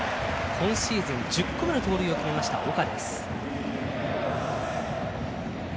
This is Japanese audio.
今シーズン１０個目の盗塁を決めました岡です。